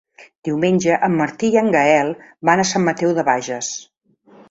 Diumenge en Martí i en Gaël van a Sant Mateu de Bages.